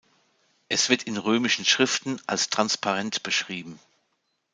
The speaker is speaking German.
Es wird in römischen Schriften als transparent beschrieben.